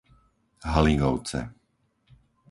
Haligovce